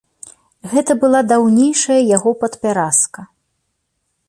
Гэта была даўнейшая яго падпяразка.